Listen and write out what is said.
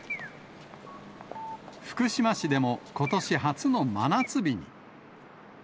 福島市でも、ことし初の真夏日。